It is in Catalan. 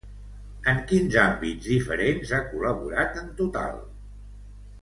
En quins àmbits diferents ha col·laborat en total?